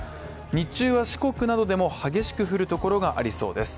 日中は四国などでも激しく降るところがありそうです。